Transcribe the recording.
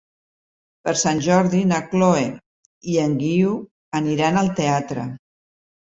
Per Sant Jordi na Chloé i en Guiu aniran al teatre.